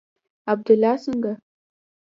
عبدالله څنگه.